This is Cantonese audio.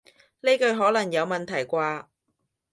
呢句可能有問題啩